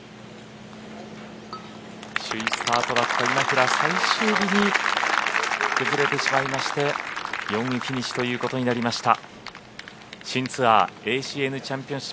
首位スタートだった今平最終日に崩れてしまいまして４位フィニッシュということになりました。